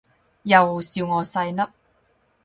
又笑我細粒